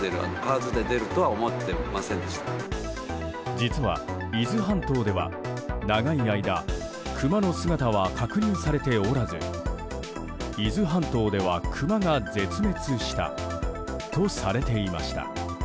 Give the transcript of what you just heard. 実は、伊豆半島では長い間クマの姿は確認されておらず伊豆半島では、クマが絶滅したとされていました。